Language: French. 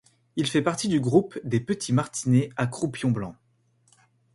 Il fait partie du groupe des petits martinets à croupion blanc.